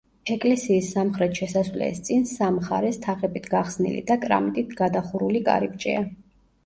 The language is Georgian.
ეკლესიის სამხრეთ შესასვლელის წინ სამ მხარეს თაღებით გახსნილი და კრამიტით გადახურული კარიბჭეა.